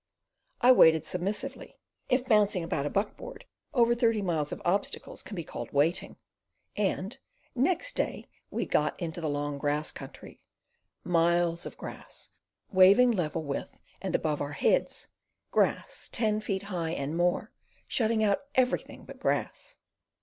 I waited submissively, if bouncing about a buck board over thirty miles of obstacles can be called waiting, and next day we "got into the long grass country", miles of grass, waving level with and above our heads—grass ten feet high and more, shutting out everything but grass.